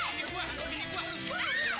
anggur gini buah